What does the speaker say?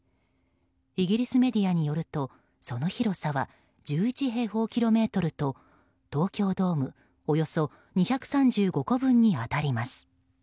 イギリスメディアによるとその広さは１１平方キロメートルと東京ドームおよそ２３５個分に当たります。